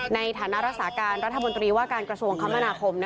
ในฐานะรัศกาลรัฐบินฯว่าการกระทรวงคำมันาคม